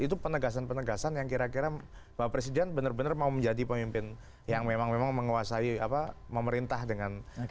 itu penegasan penegasan yang kira kira bapak presiden benar benar mau menjadi pemimpin yang memang menguasai memerintah dengan